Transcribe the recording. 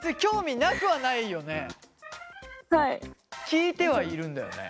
聞いてはいるんだよね。